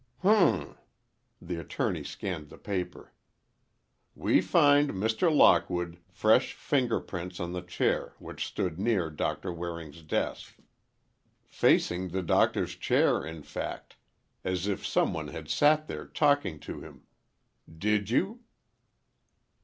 "H'm," the attorney scanned the paper. "We find, Mr. Lockwood, fresh finger prints on the chair which stood near Doctor Waring's desk. Facing the Doctor's chair, in fact, as if some one had sat there talking to him. Did you?"